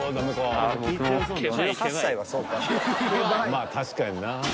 ［まあ確かにな］